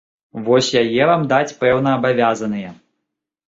Вось яе вам даць пэўна абавязаныя.